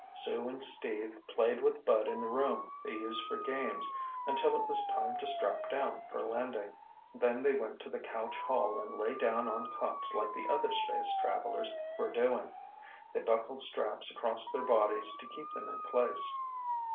Sue and Steve played with Bud in the room they used for games until it was time to "strap down" for landing. Then they went to the couch hall and lay down on cots like the other space travelers were doing. They buckled straps across their bodies to keep them in place.